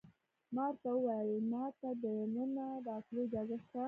ما ورته وویل: ما ته د دننه راتلو اجازه شته؟